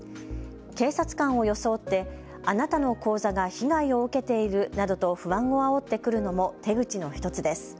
警察官を装ってあなたの口座が被害を受けているなどと不安をあおってくるのも手口の１つです。